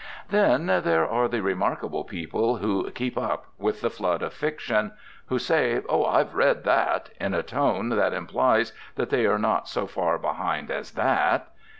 Then there are the remarkable people who "keep up" with the flood of fiction; who say, "Oh, I've read that," in a tone which implies that they are not so far behind as that!